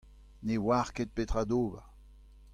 ne oar ket petra d'ober.